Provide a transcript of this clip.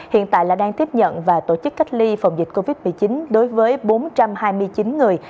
hiện tại là đang tiếp nhận và tổ chức cách ly phòng dịch covid một mươi chín đối với bốn trăm hai mươi chín người